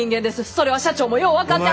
それは社長もよう分かってはる。